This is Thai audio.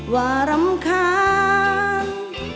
ว่ารำคาญ